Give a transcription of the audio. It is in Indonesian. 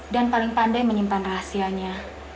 dan paling pandai menyimpan rahasianya